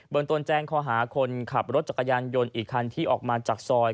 ตนแจ้งข้อหาคนขับรถจักรยานยนต์อีกคันที่ออกมาจากซอย